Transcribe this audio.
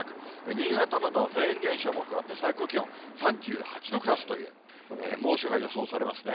新潟などはフェーン現象も加わって、最高気温３８度クラスという、猛暑が予想されますね。